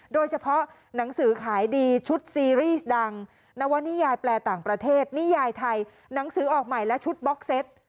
หนังสือขายดีชุดซีรีส์ดังนวนิยายแปลต่างประเทศนิยายไทยหนังสือออกใหม่และชุดบล็อกเซต